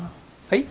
はい？